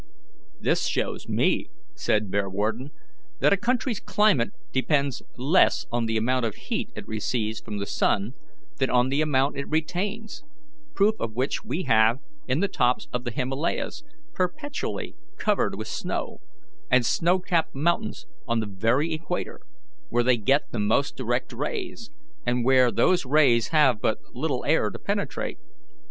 "This shows me," said Bearwarden, "that a country's climate depends less on the amount of heat it receives from the sun than on the amount it retains; proof of which we have in the tops of the Himalayas perpetually covered with snow, and snow capped mountains on the very equator, where they get the most direct rays, and where those rays have but little air to penetrate.